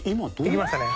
いきましたね。